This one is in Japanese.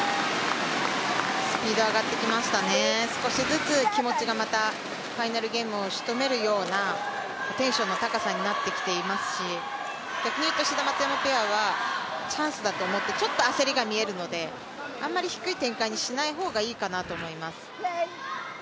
スピード、上がってきましたね、少しずつ、気持ちがまたファイナルゲームをしとめるようなテンションの高さになってきていますし逆に言うと志田・松山ペアはチャンスだと思ってあまり低い展開にしない方がいいかなと思います。